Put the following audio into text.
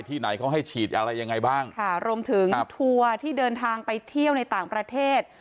ไหนเขาให้ฉีดอะไรยังไงบ้างค่ะรวมถึงทัวร์ที่เดินทางไปเที่ยวในต่างประเทศ